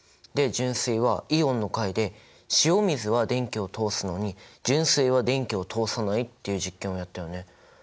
で純水はイオンの回で塩水は電気を通すのに純水は電気を通さないっていう実験をやったよね。